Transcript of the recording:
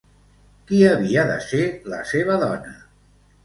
Qui havia de ser la seva dona?